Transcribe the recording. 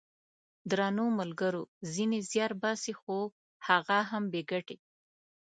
درنو ملګرو ! ځینې زیار باسي خو هغه هم بې ګټې!